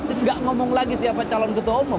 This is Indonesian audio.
tidak ngomong lagi siapa calon ketua umum